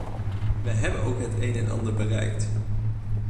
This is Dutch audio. Wij hebben ook het een en ander bereikt.